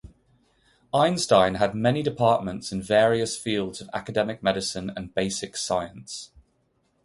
Einstein has many departments in various fields of academic medicine and basic science.